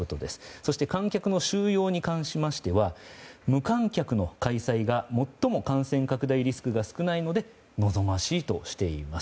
そして観客の収容に関しましては無観客の開催が最も感染拡大リスクが少ないので望ましいとしています。